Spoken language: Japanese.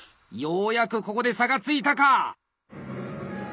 ようやくここで差がついたか！